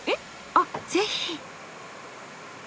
あっぜひ！